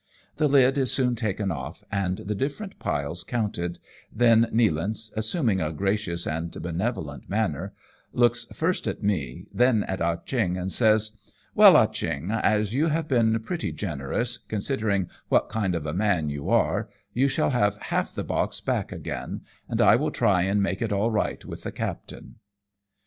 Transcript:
The lid is soon taken off, and the different piles counted, then Nealance, assuming a gracious and benevolent manner, looks first at me, then at Ah Cheong, and says, " "Well, Ah Cheong, as you have been pretty generous, considering what kind of a man you are, you shall have half the box back again, and I will try and make it all right with the captain."